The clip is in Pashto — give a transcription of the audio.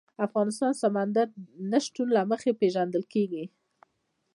افغانستان د سمندر نه شتون له مخې پېژندل کېږي.